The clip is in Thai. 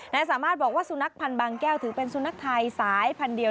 นายสามารถบอกว่าสุนัขพันธ์บางแก้วถือเป็นสุนัขไทยสายพันธุ์เดียว